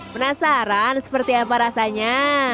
penasaran seperti apa rasanya